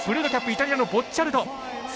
イタリアのボッチャルド